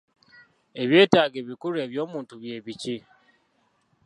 Ebyetaago ebikulu eby'omuntu bye biki?